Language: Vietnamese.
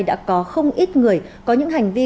đã có không ít người có những hành vi